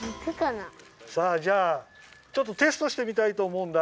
さあじゃあちょっとテストしてみたいとおもうんだ。